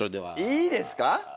いいですか？